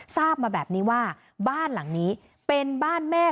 ทราบมาแบบนี้ว่าบ้านหลังนี้เป็นบ้านแม่